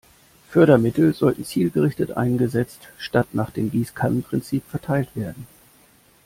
Fördermittel sollten zielgerichtet eingesetzt statt nach dem Gießkannen-Prinzip verteilt werden.